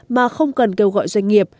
mà không cần kêu gọi doanh nghiệp